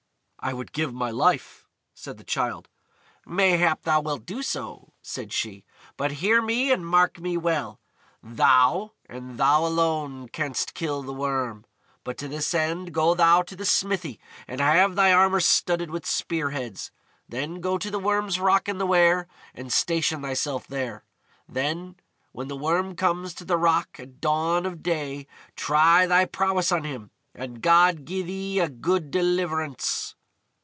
"I would give my life," said the Childe. "Mayhap thou wilt do so," said she. "But hear me, and mark me well. Thou, and thou alone, canst kill the Worm. But, to this end, go thou to the smithy and have thy armour studded with spear heads. Then go to the Worm's Rock in the Wear, and station thyself there. Then, when the Worm comes to the Rock at dawn of day, try thy prowess on him, and God gi'e thee a good deliverance."